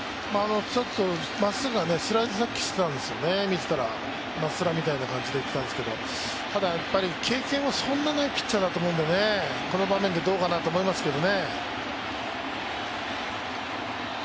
ちょっとまっすぐがスライドに来ていたんですよね、マッスラみたいな感じで来てたんですけど、ただ経験はそんなにないピッチャーだと思うんでこの場面はどうかなと思うんですけど。